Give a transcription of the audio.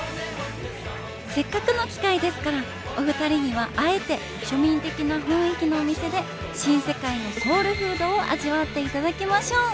せっかくの機会ですからお二人にはあえて庶民的な雰囲気のお店で新世界のソウルフードを味わっていただきましょう。